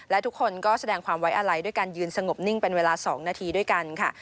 และทุกคนก็แสดงความไว้อาลัยด้วยการยืนสงบนิ่งเป็นเวลา๒นาทีด้วยกันค่ะ